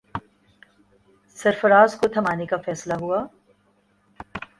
سرفراز کو تھمانے کا فیصلہ ہوا۔